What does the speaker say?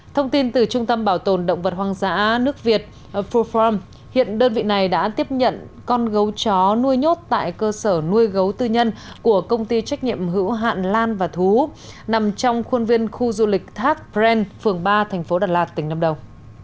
thông tin từ trung tâm bảo tồn động vật hoang dã nước việt fulfarm hiện đơn vị này đã tiếp nhận con gấu chó nuôi nhốt tại cơ sở nuôi gấu tư nhân của công ty trách nhiệm hữu hạn lan và thú nằm trong khuôn viên khu du lịch thác brent phường ba thành phố đà lạt tỉnh lâm đồng